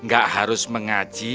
gak harus mengaji